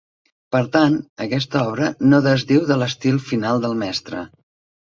Per tant aquesta obra no desdiu de l'estil final del mestre.